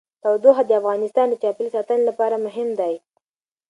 تودوخه د افغانستان د چاپیریال ساتنې لپاره مهم دي.